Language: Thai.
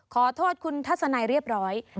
ขอโทษคุณทัศนัยเรียบร้อย